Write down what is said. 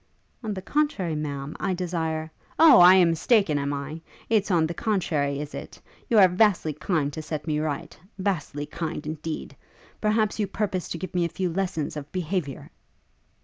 'On the contrary, Ma'am, I desire ' 'O! I am mistaken, am I? It's on the contrary, is it? You are vastly kind to set me right; vastly kind, indeed! Perhaps you purpose to give me a few lessons of behaviour?'